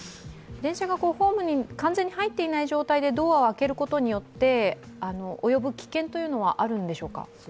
電車がホームに完全に入っていない状態でドアを開けることによって及ぶ危険というのはあるんでしょうか？